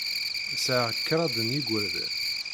Sɛiɣ kraḍ n yigerdan.